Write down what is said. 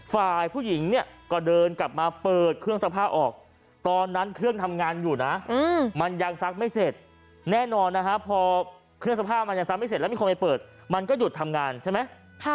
ฝ่ายผู้หญิงเนี่ยก็เดินกลับมาเปิดเครื่องซักผ้าออกตอนนั้นเครื่องทำงานอยู่นะมันยังซักไม่เสร็จแน่นอนนะฮะพอเครื่องซักผ้ามันยังซักไม่เสร็จแล้วมีคนไปเปิดมันก็หยุดทำงานใช่ไหม